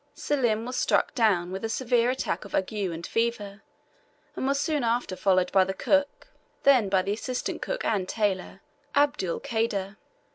Selim was struck down with a severe attack of ague and fever, and was soon after followed by the cook, then by the assistant cook and tailor, Abdul Kader.